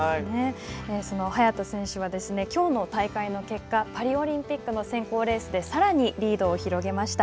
その早田選手は、きょうの大会の結果パリオリンピックの選考レースでさらにリードを広げました。